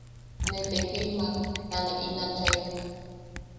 Ne tekilmaj- tane in achai.